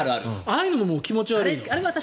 ああいうのも気持ち悪い。